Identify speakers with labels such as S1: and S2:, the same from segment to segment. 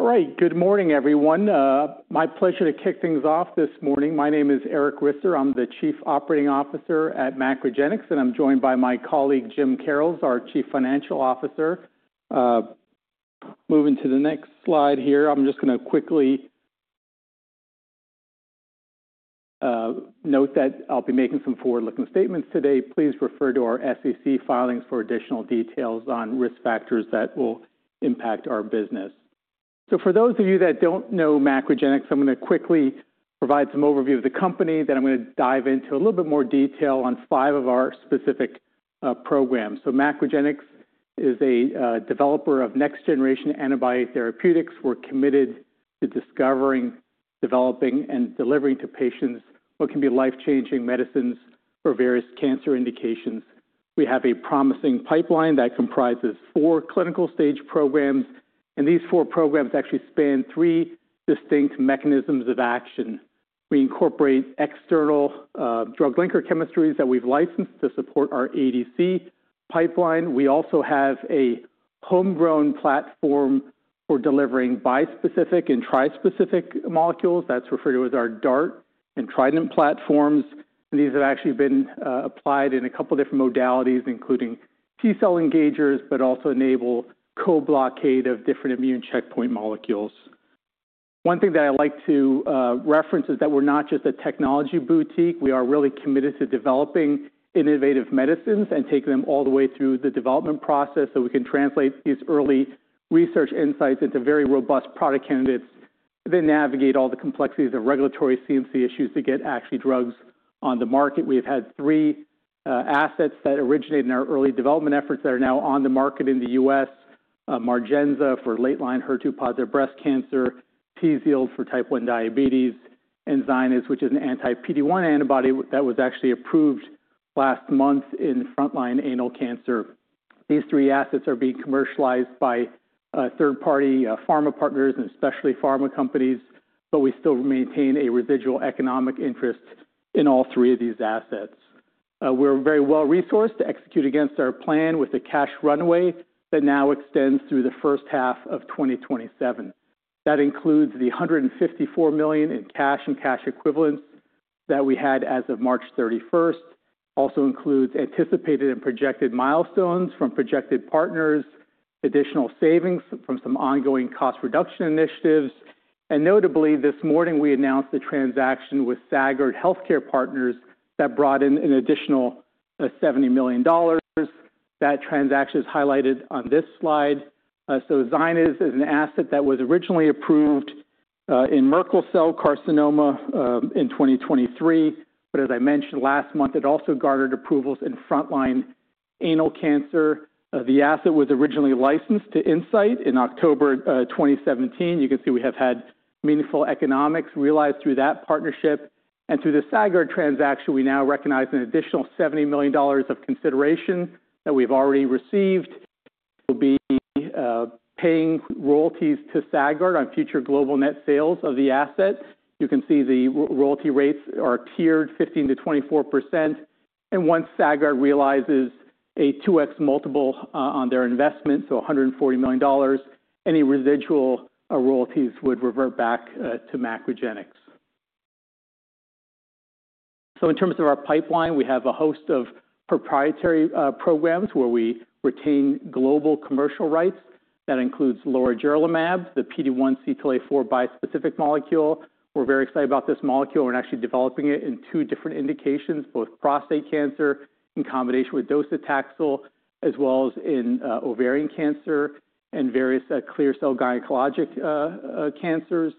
S1: All right, good morning, everyone. My pleasure to kick things off this morning. My name is Eric Risser. I'm the Chief Operating Officer at MacroGenics, and I'm joined by my colleague, Jim Karrels, our Chief Financial Officer. Moving to the next slide here, I'm just gonna quickly note that I'll be making some forward-looking statements today. Please refer to our SEC filings for additional details on risk factors that will impact our business. For those of you that don't know MacroGenics, I'm gonna quickly provide some overview of the company that I'm gonna dive into a little bit more detail on five of our specific programs. MacroGenics is a developer of next-generation antibody therapeutics. We're committed to discovering, developing, and delivering to patients what can be life-changing medicines for various cancer indications. We have a promising pipeline that comprises four clinical stage programs, and these four programs actually span three distinct mechanisms of action. We incorporate external, drug linker chemistries that we've licensed to support our ADC pipeline. We also have a homegrown platform for delivering bispecific and trispecific molecules that's referred to as our DART and Trident platforms. These have actually been applied in a couple different modalities, including T-cell engagers, but also enable co-blockade of different immune checkpoint molecules. One thing that I like to reference is that we're not just a technology boutique. We are really committed to developing innovative medicines and taking them all the way through the development process so we can translate these early research insights into very robust product candidates that navigate all the complexities of regulatory CMC issues to get actually drugs on the market. We have had three assets that originated in our early development efforts that are now on the market in the U.S.: MARGENZA for late-line HER2-positive breast cancer, TZIELD for type 1 diabetes, and ZYNYZ, which is an anti-PD-1 antibody that was actually approved last month in frontline anal cancer. These three assets are being commercialized by third-party pharma partners and specialty pharma companies, but we still maintain a residual economic interest in all three of these assets. We're very well-resourced to execute against our plan with a cash runway that now extends through the first half of 2027. That includes the $154 million in cash and cash equivalents that we had as of March 31st. Also includes anticipated and projected milestones from projected partners, additional savings from some ongoing cost reduction initiatives. Notably, this morning we announced the transaction with Sagard Healthcare Partners that brought in an additional $70 million. That transaction is highlighted on this slide. ZYNYZ is an asset that was originally approved in Merkel cell carcinoma in 2023. As I mentioned last month, it also garnered approvals in frontline anal cancer. The asset was originally licensed to Incyte in October 2017. You can see we have had meaningful economics realized through that partnership. Through the Sagard transaction, we now recognize an additional $70 million of consideration that we've already received. We'll be paying royalties to Sagard on future global net sales of the asset. You can see the royalty rates are tiered 15%-24%. Once Sagard realizes a 2x multiple on their investment, so $140 million, any residual royalties would revert back to MacroGenics. In terms of our pipeline, we have a host of proprietary programs where we retain global commercial rights. That includes Lorigerlimab, the PD-1/CTLA-4 bispecific molecule. We're very excited about this molecule. We're actually developing it in two different indications, both prostate cancer in combination with docetaxel, as well as in ovarian cancer and various clear cell gynecologic cancers.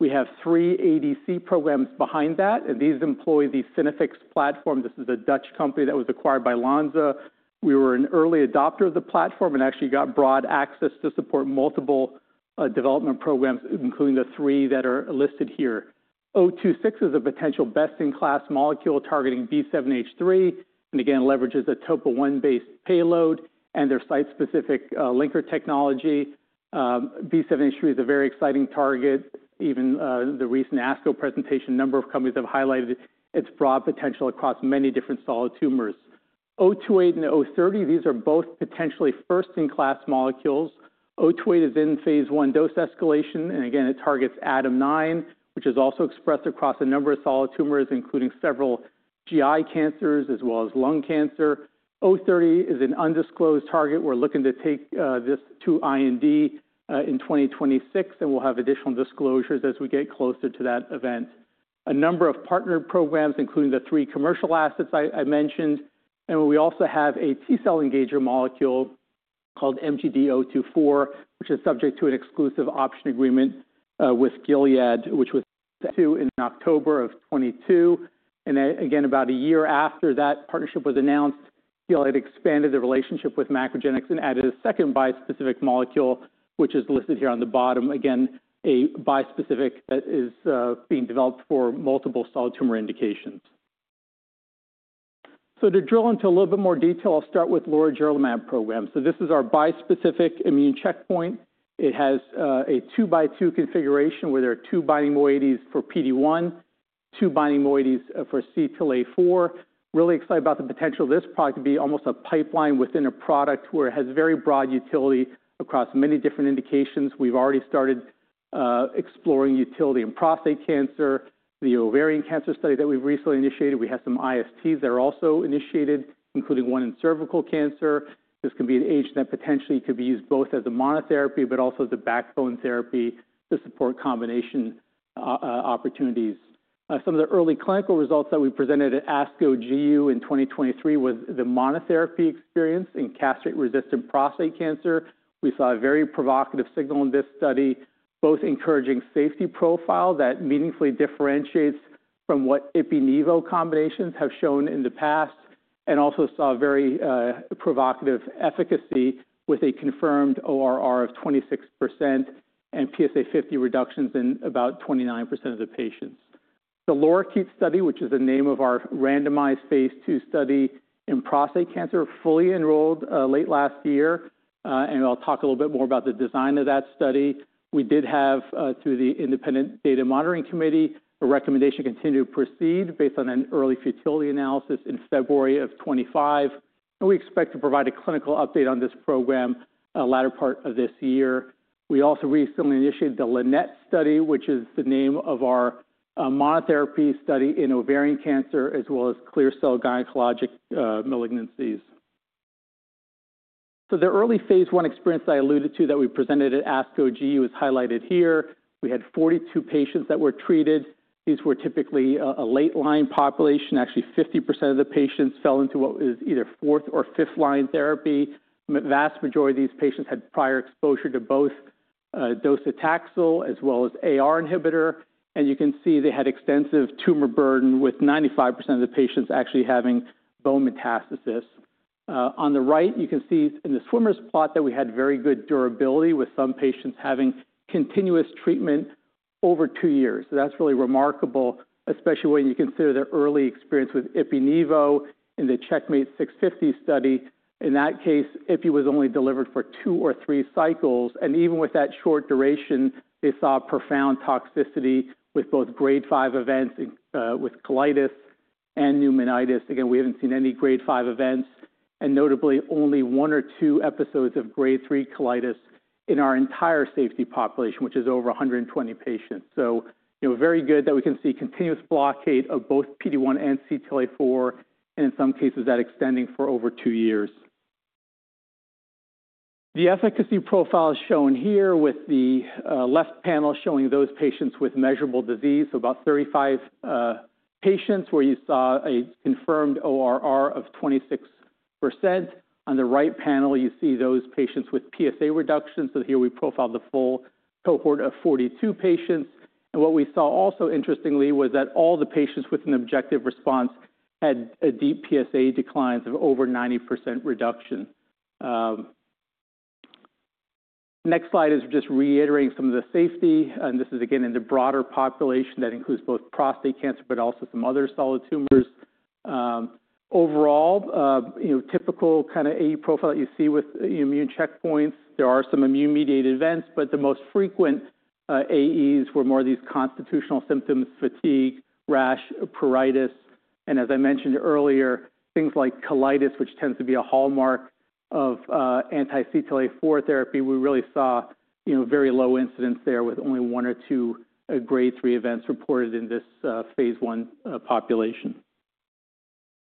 S1: We have three ADC programs behind that, and these employ the Synaffix platform. This is a Dutch company that was acquired by Lonza. We were an early adopter of the platform and actually got broad access to support multiple development programs, including the three that are listed here. 026 is a potential best-in-class molecule targeting B7-H3 and again, leverages a TOPO1-based payload and their site-specific linker technology. B7-H3 is a very exciting target. Even the recent ASCO presentation, a number of companies have highlighted its broad potential across many different solid tumors. 028 and 030, these are both potentially first-in-class molecules. 028 is in phase one dose escalation, and again, it targets ADAM9, which is also expressed across a number of solid tumors, including several GI cancers as well as lung cancer. 030 is an undisclosed target. We're looking to take this to IND in 2026, and we'll have additional disclosures as we get closer to that event. A number of partner programs, including the three commercial assets I mentioned. We also have a T-cell engager molecule called MGD-024, which is subject to an exclusive option agreement with Gilead, which was in October of 2022. About a year after that partnership was announced, Gilead expanded the relationship with MacroGenics and added a second bispecific molecule, which is listed here on the bottom. Again, a bispecific that is being developed for multiple solid tumor indications. To drill into a little bit more detail, I'll start with Lorigerlimab programs. This is our bispecific immune checkpoint. It has a 2x2 configuration where there are two binding moieties for PD-1, two binding moieties for CTLA-4. Really excited about the potential of this product to be almost a pipeline within a product where it has very broad utility across many different indications. We've already started exploring utility in prostate cancer, the ovarian cancer study that we've recently initiated. We have some ISTs that are also initiated, including one in cervical cancer. This can be an agent that potentially could be used both as a monotherapy, but also as a backbone therapy to support combination opportunities. Some of the early clinical results that we presented at ASCO GU in 2023 was the monotherapy experience in castrate-resistant prostate cancer. We saw a very provocative signal in this study, both encouraging safety profile that meaningfully differentiates from what ipi/nivo combinations have shown in the past, and also saw very provocative efficacy with a confirmed ORR of 26% and PSA 50 reductions in about 29% of the patients. The LORIKEET Study, which is the name of our randomized phase 2 study in prostate cancer, fully enrolled late last year. I'll talk a little bit more about the design of that study. We did have, through the Independent Data Monitoring Committee, a recommendation to continue to proceed based on an early futility analysis in February of 2025. We expect to provide a clinical update on this program, latter part of this year. We also recently initiated the LINNET Study, which is the name of our monotherapy study in ovarian cancer as well as clear cell gynecologic malignancies. The early phase one experience that I alluded to that we presented at ASCO GU is highlighted here. We had 42 patients that were treated. These were typically a late-line population. Actually, 50% of the patients fell into what was either fourth or fifth-line therapy. The vast majority of these patients had prior exposure to both docetaxel as well as AR inhibitor. You can see they had extensive tumor burden with 95% of the patients actually having bone metastasis. On the right, you can see in the swimmers plot that we had very good durability with some patients having continuous treatment over two years. That is really remarkable, especially when you consider the early experience with ipi/nivo in the CheckMate 650 study. In that case, Ipi was only delivered for two or three cycles. Even with that short duration, they saw profound toxicity with both grade five events and, with colitis and pneumonitis. Again, we have not seen any grade five events and notably only one or two episodes of grade three colitis in our entire safety population, which is over 120 patients. You know, very good that we can see continuous blockade of both PD-1 and CTLA-4, and in some cases that extending for over two years. The efficacy profile is shown here with the left panel showing those patients with measurable disease, so about 35 patients where you saw a confirmed ORR of 26%. On the right panel, you see those patients with PSA reductions. Here we profiled the full cohort of 42 patients. What we saw also interestingly was that all the patients with an objective response had deep PSA declines of over 90% reduction. Next slide is just reiterating some of the safety. This is again in the broader population that includes both prostate cancer, but also some other solid tumors. Overall, you know, typical kind of AE profile that you see with immune checkpoints, there are some immune-mediated events, but the most frequent AEs were more of these constitutional symptoms: fatigue, rash, pruritus. As I mentioned earlier, things like colitis, which tends to be a hallmark of anti-CTLA-4 therapy, we really saw, you know, very low incidence there with only one or two grade 3 events reported in this phase 1 population.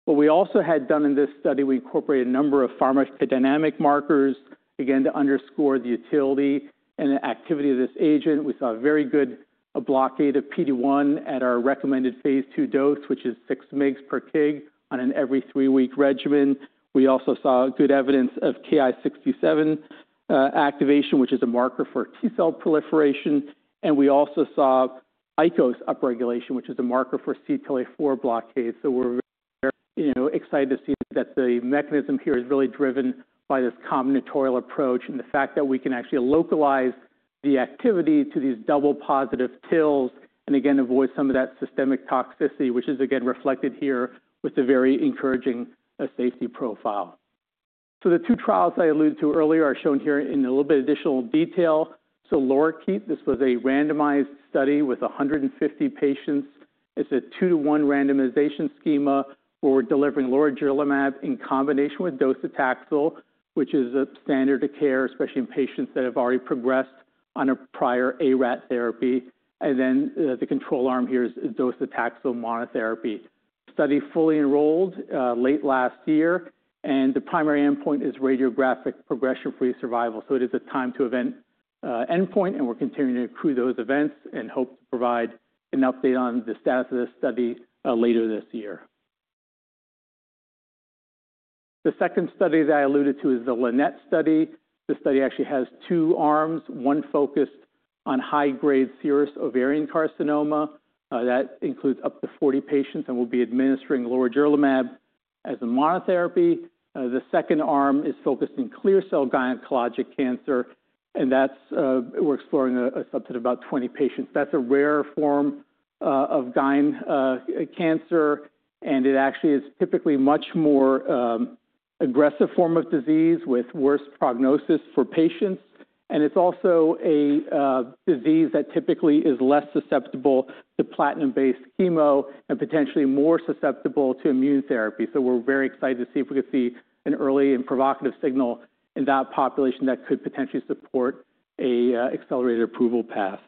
S1: What we also had done in this study, we incorporated a number of pharmacodynamic markers again to underscore the utility and the activity of this agent. We saw a very good blockade of PD-1 at our recommended phase 2 dose, which is 6 mg/kg on an every three-week regimen. We also saw good evidence of Ki67 activation, which is a marker for T-cell proliferation. And we also saw ICOS upregulation, which is a marker for CTLA-4 blockade. We're, you know, excited to see that the mechanism here is really driven by this combinatorial approach and the fact that we can actually localize the activity to these double positive TILs and again, avoid some of that systemic toxicity, which is again reflected here with the very encouraging safety profile. The two trials I alluded to earlier are shown here in a little bit of additional detail. LORIKEET, this was a randomized study with 150 patients. It's a two-to-one randomization schema where we're delivering Lorigerlimab in combination with docetaxel, which is a standard of care, especially in patients that have already progressed on a prior ARAT therapy. The control arm here is docetaxel monotherapy. Study fully enrolled, late last year. The primary endpoint is radiographic progression-free survival. It is a time to event endpoint, and we're continuing to accrue those events and hope to provide an update on the status of this study later this year. The second study that I alluded to is the LINNET Study. The study actually has two arms, one focused on high-grade serous ovarian carcinoma that includes up to 40 patients and will be administering Lorigerlimab as a monotherapy. The second arm is focused in clear cell gynecologic cancer. That's where we're exploring a subset of about 20 patients. That's a rare form of gyne cancer, and it actually is typically a much more aggressive form of disease with worse prognosis for patients. It is also a disease that typically is less susceptible to platinum-based chemo and potentially more susceptible to immune therapy. We're very excited to see if we could see an early and provocative signal in that population that could potentially support an accelerated approval path.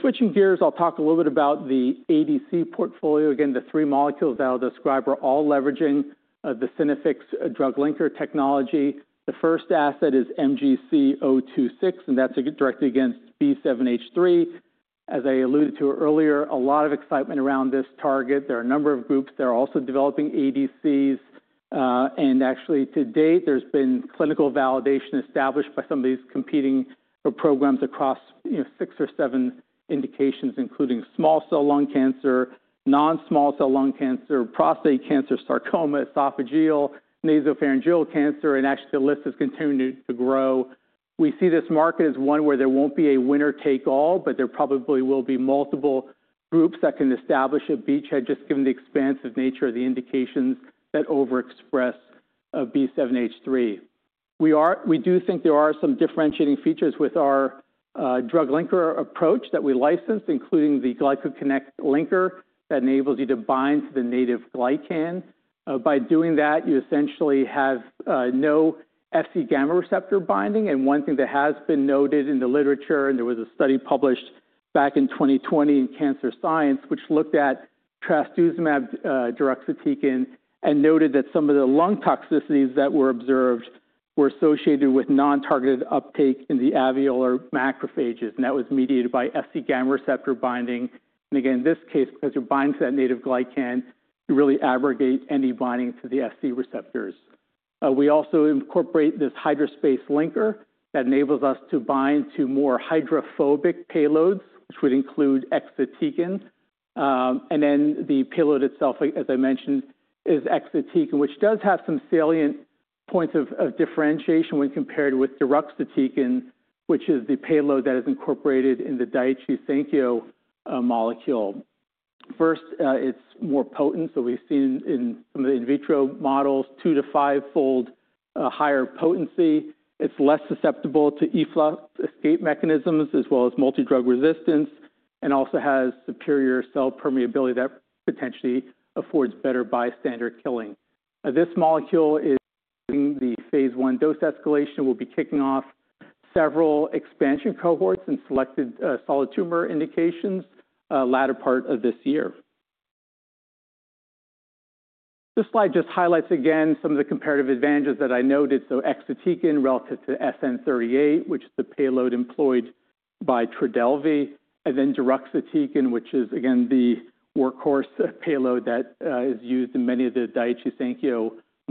S1: Switching gears, I'll talk a little bit about the ADC portfolio. Again, the three molecules that I'll describe are all leveraging the Synaffix drug linker technology. The first asset is MGC-026, and that's directed against B7-H3. As I alluded to earlier, a lot of excitement around this target. There are a number of groups that are also developing ADCs, and actually to date, there's been clinical validation established by some of these competing programs across, you know, six or seven indications, including small cell lung cancer, non-small cell lung cancer, prostate cancer, sarcoma, esophageal, nasopharyngeal cancer. Actually, the list is continuing to grow. We see this market as one where there won't be a winner take all, but there probably will be multiple groups that can establish a beachhead just given the expansive nature of the indications that overexpress B7-H3. We are, we do think there are some differentiating features with our drug linker approach that we license, including the GlycoConnect linker that enables you to bind to the native glycan. By doing that, you essentially have no Fcγ receptor binding. One thing that has been noted in the literature, and there was a study published back in 2020 in Cancer Science, which looked at trastuzumab deruxtecan and noted that some of the lung toxicities that were observed were associated with non-targeted uptake in the alveolar macrophages. That was mediated by Fcγ receptor binding. In this case, because you're binding to that native glycan, you really abrogate any binding to the Fc receptors. We also incorporate this HydraSpace linker that enables us to bind to more hydrophobic payloads, which would include exatecan. And then the payload itself, as I mentioned, is exatecan, which does have some salient points of differentiation when compared with deruxtecan, which is the payload that is incorporated in the Daiichi Sankyo molecule. First, it's more potent. We've seen in some of the in vitro models, two- to five-fold higher potency. It's less susceptible to efflux escape mechanisms as well as multi-drug resistance and also has superior cell permeability that potentially affords better bystander killing. This molecule is in the phase one dose escalation. We'll be kicking off several expansion cohorts in selected solid tumor indications, latter part of this year. This slide just highlights again some of the comparative advantages that I noted. So exatecan relative to SN-38, which is the payload employed by Trodelvy, and then deruxtecan, which is again the workhorse payload that is used in many of the Daiichi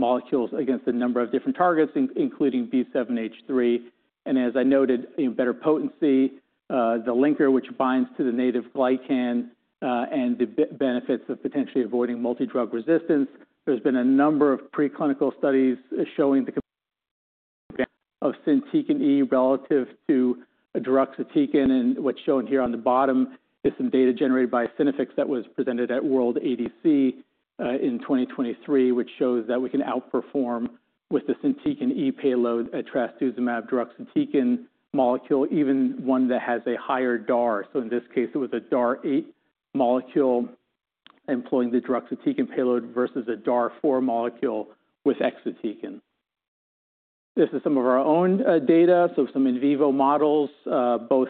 S1: Sankyo molecules against a number of different targets, including B7-H3. And as I noted, you know, better potency, the linker, which binds to the native glycan, and the benefits of potentially avoiding multi-drug resistance. There's been a number of preclinical studies showing the comparison of Synaffix E relative to deruxtecan. And what's shown here on the bottom is some data generated by Synaffix that was presented at World ADC in 2023, which shows that we can outperform with the Synaffix E payload a trastuzumab deruxtecan molecule, even one that has a higher DAR. In this case, it was a DAR 8 molecule employing the deruxtecan payload versus a DAR 4 molecule with exatecan. This is some of our own data. Some in vivo models, both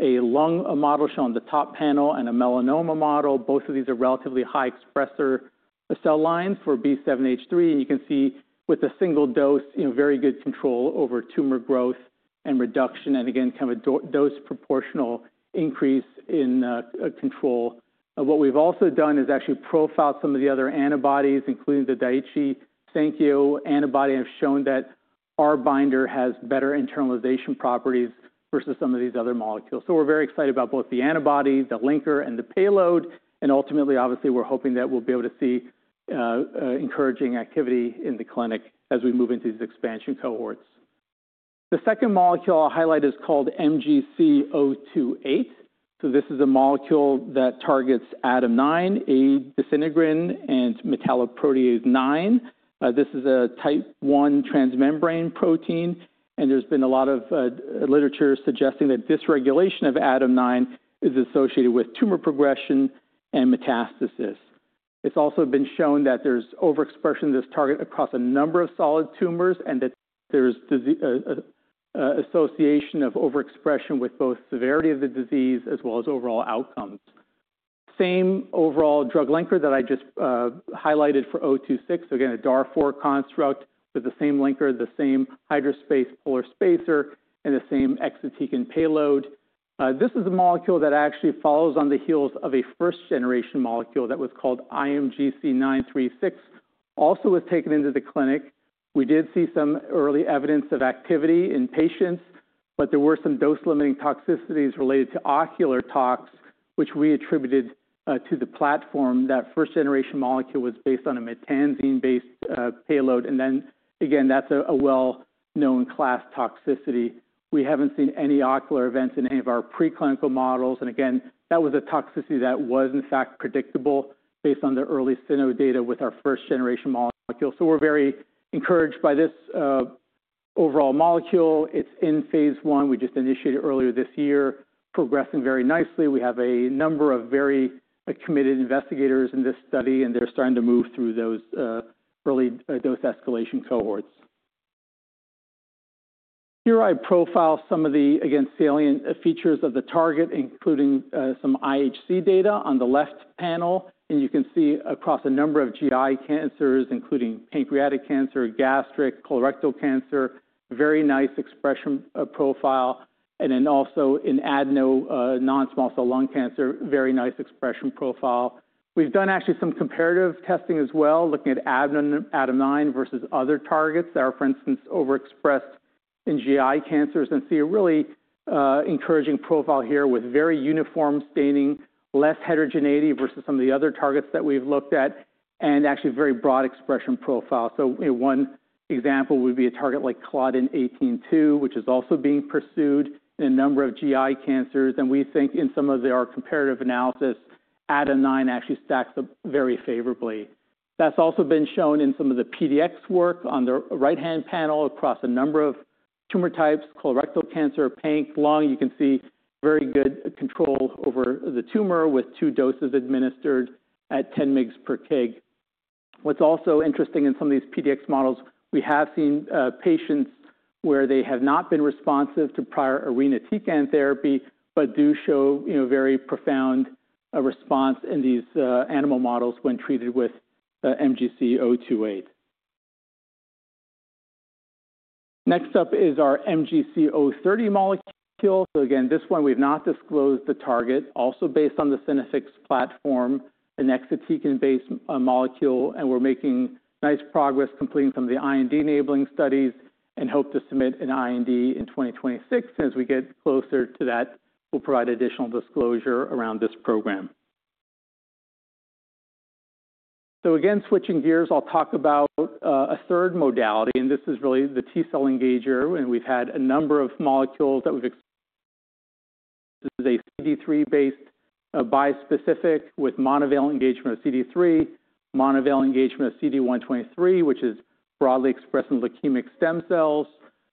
S1: a lung model shown on the top panel and a melanoma model. Both of these are relatively high expressor cell lines for B7-H3. You can see with a single dose, you know, very good control over tumor growth and reduction and again, kind of a dose proportional increase in control. What we've also done is actually profiled some of the other antibodies, including the Daiichi Sankyo antibody. I've shown that our binder has better internalization properties versus some of these other molecules. We're very excited about both the antibody, the linker, and the payload. Ultimately, obviously, we're hoping that we'll be able to see encouraging activity in the clinic as we move into these expansion cohorts. The second molecule I'll highlight is called MGC-028. This is a molecule that targets ADAM9, a disintegrin and metalloprotease 9. This is a type I transmembrane protein. There's been a lot of literature suggesting that dysregulation of ADAM9 is associated with tumor progression and metastasis. It's also been shown that there's overexpression of this target across a number of solid tumors and that there's an association of overexpression with both severity of the disease as well as overall outcomes. Same overall drug linker that I just highlighted for 026. Again, a DAR 4 construct with the same linker, the same HydraSpace polar spacer, and the same exatecan payload. This is a molecule that actually follows on the heels of a first-generation molecule that was called IMGC936. Also was taken into the clinic. We did see some early evidence of activity in patients, but there were some dose-limiting toxicities related to ocular tox, which we attributed to the platform. That first-generation molecule was based on a mertansine-based payload. And then again, that's a well-known class toxicity. We haven't seen any ocular events in any of our preclinical models. And again, that was a toxicity that was in fact predictable based on the early cyno data with our first-generation molecule. So we're very encouraged by this, overall molecule. It's in phase one. We just initiated earlier this year, progressing very nicely. We have a number of very committed investigators in this study, and they're starting to move through those, early dose escalation cohorts. Here I profile some of the, again, salient features of the target, including some IHC data on the left panel. You can see across a number of GI cancers, including pancreatic cancer, gastric, colorectal cancer, very nice expression profile. Also in adeno, non-small cell lung cancer, very nice expression profile. We've done actually some comparative testing as well, looking at ADAM9 versus other targets that are, for instance, overexpressed in GI cancers and see a really encouraging profile here with very uniform staining, less heterogeneity versus some of the other targets that we've looked at, and actually very broad expression profile. You know, one example would be a target like Claudin 18.2, which is also being pursued in a number of GI cancers. We think in some of our comparative analysis, ADAM9 actually stacks up very favorably. That's also been shown in some of the PDX work on the right-hand panel across a number of tumor types, colorectal cancer, panc, lung. You can see very good control over the tumor with two doses administered at 10 mg per kg. What's also interesting in some of these PDX models, we have seen, patients where they have not been responsive to prior irinotecan therapy, but do show, you know, very profound, response in these, animal models when treated with, MGC-028. Next up is our MGC-030 molecule. Again, this one we've not disclosed the target, also based on the Synaffix platform, an exatecan-based molecule. We're making nice progress completing some of the IND enabling studies and hope to submit an IND in 2026. As we get closer to that, we'll provide additional disclosure around this program. Again, switching gears, I'll talk about a third modality. This is really the T-cell engager. We have had a number of molecules that we have exposed. This is a CD3-based bispecific with monovalent engagement of CD3, monovalent engagement of CD123, which is broadly expressed in leukemic stem cells.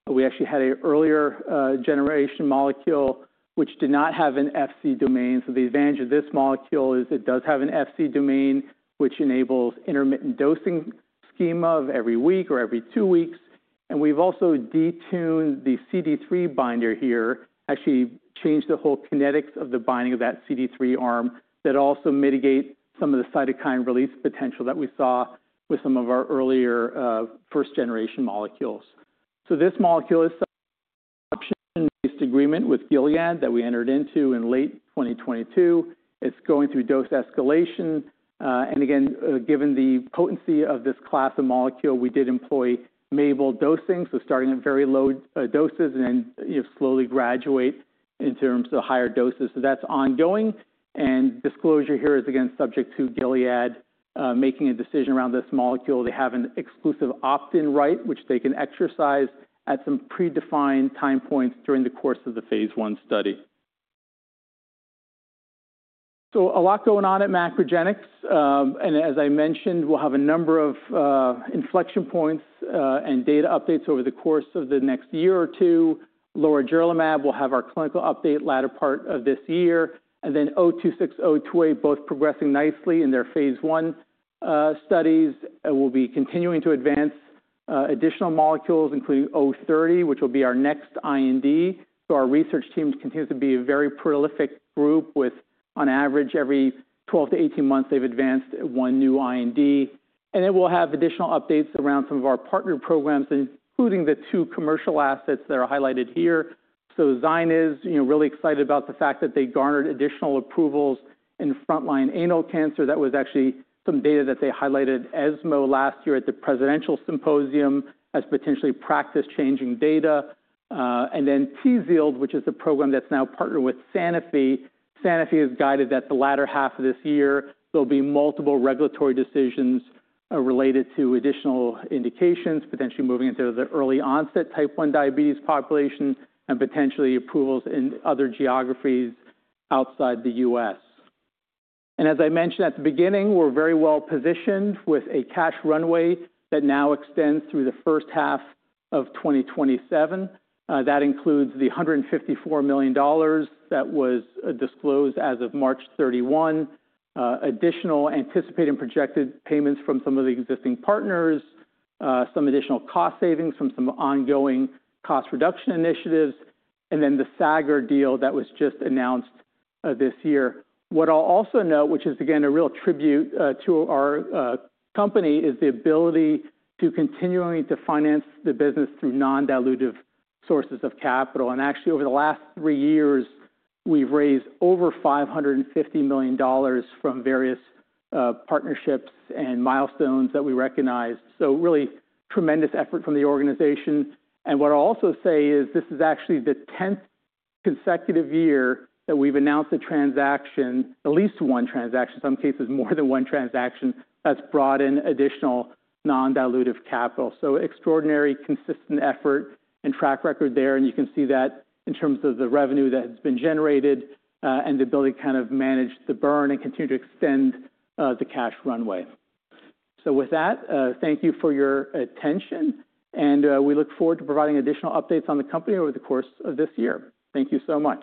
S1: We actually had an earlier generation molecule, which did not have an FC domain. The advantage of this molecule is it does have an FC domain, which enables intermittent dosing schema of every week or every two weeks. We have also detuned the CD3 binder here, actually changed the whole kinetics of the binding of that CD3 arm that also mitigates some of the cytokine release potential that we saw with some of our earlier, first-generation molecules. This molecule is option-based agreement with Gilead that we entered into in late 2022. It is going through dose escalation. and again, given the potency of this class of molecule, we did employ MABEL dosing. So starting at very low doses and then, you know, slowly graduate in terms of higher doses. That's ongoing. Disclosure here is again subject to Gilead making a decision around this molecule. They have an exclusive opt-in right, which they can exercise at some predefined time points during the course of the phase one study. A lot going on at MacroGenics. and as I mentioned, we'll have a number of inflection points, and data updates over the course of the next year or two. Lorigerlimab will have our clinical update latter part of this year. And then 026, 028, both progressing nicely in their phase one studies. We'll be continuing to advance additional molecules, including 030, which will be our next IND. Our research team continues to be a very prolific group with, on average, every 12 to 18 months, they've advanced one new IND. We will have additional updates around some of our partner programs, including the two commercial assets that are highlighted here. ZYNYZ is, you know, really excited about the fact that they garnered additional approvals in frontline anal cancer. That was actually some data that they highlighted at ESMO last year at the presidential symposium as potentially practice-changing data. Then TZIELD, which is the program that's now partnered with Sanofi. Sanofi has guided that the latter half of this year, there will be multiple regulatory decisions related to additional indications, potentially moving into the early onset type 1 diabetes population and potentially approvals in other geographies outside the U.S. As I mentioned at the beginning, we're very well positioned with a cash runway that now extends through the first half of 2027. That includes the $154 million that was disclosed as of March 31, additional anticipated and projected payments from some of the existing partners, some additional cost savings from some ongoing cost reduction initiatives, and then the Sagard deal that was just announced this year. What I'll also note, which is again a real tribute to our company, is the ability to continually finance the business through non-dilutive sources of capital. Actually, over the last three years, we've raised over $550 million from various partnerships and milestones that we recognized. Really tremendous effort from the organization. What I'll also say is this is actually the 10th consecutive year that we've announced a transaction, at least one transaction, in some cases more than one transaction that's brought in additional non-dilutive capital. Extraordinary consistent effort and track record there. You can see that in terms of the revenue that has been generated, and the ability to kind of manage the burn and continue to extend the cash runway. With that, thank you for your attention. We look forward to providing additional updates on the company over the course of this year. Thank you so much.